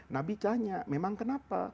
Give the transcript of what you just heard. nabi tanya memang kenapa